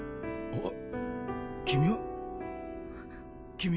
あっ！